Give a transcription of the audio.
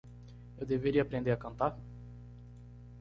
Eu deveria aprender a cantar?